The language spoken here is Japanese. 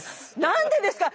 何でですか？